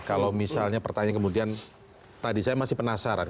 kalau misalnya pertanyaan kemudian tadi saya masih penasaran